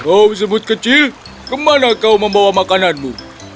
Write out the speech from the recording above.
oh disebut kecil kemana kau membawa makananmu